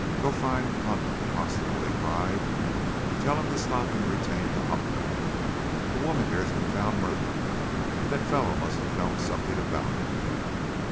"Go find Hunt, the constable," he cried; "tell him to stop and retain the humpback. A woman here has been found murdered, and that fellow must have known something about it."